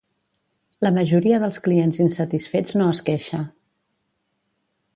La majoria dels clients insatisfets no es queixa.